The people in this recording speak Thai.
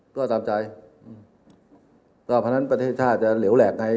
ก็ตามใจก็เพราะฉะนั้นประเทศชาติจะเหลวแหลกไง